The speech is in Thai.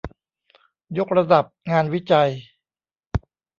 ยกระดับงานวิจัย